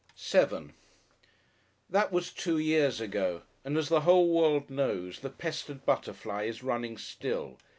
§7 That was two years ago, and as the whole world knows, the "Pestered Butterfly" is running still.